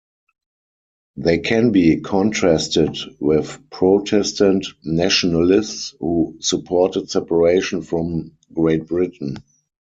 They can be contrasted with Protestant nationalists, who supported separation from Great Britain.